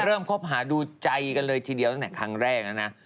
เริ่มคบหาดูใจกันเลยทีเดียวตั้งแต่ครั้งแรกนะ